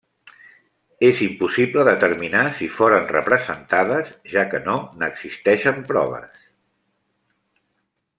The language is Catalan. És impossible determinar si foren representades, ja que no n'existeixen proves.